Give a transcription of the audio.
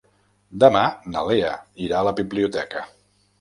Demà na Lea irà a la biblioteca.